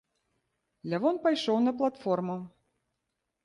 Лявон пайшоў на платформу.